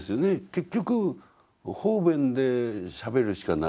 結局方便でしゃべるしかない。